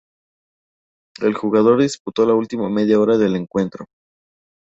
El jugador disputó la última media hora del encuentro.